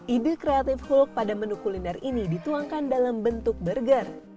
ide kreatif hulk pada menu kuliner ini dituangkan dalam bentuk burger